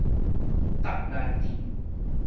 罩蘭鎮